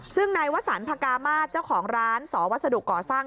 ซึ่งในวัฒนภากรามาตรเจ้าของร้านศวัสดุก่อสร้าง